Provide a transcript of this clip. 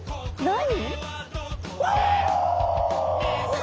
何？